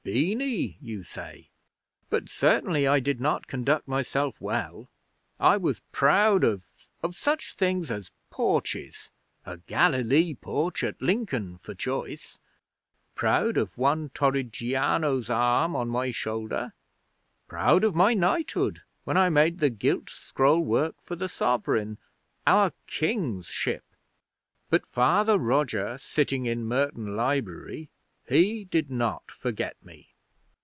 'Beany you say but certainly I did not conduct myself well. I was proud of of such things as porches a Galilee porch at Lincoln for choice proud of one Torrigiano's arm on my shoulder, proud of my knighthood when I made the gilt scroll work for the Sovereign our King's ship. But Father Roger sitting in Merton Library, he did not forget me.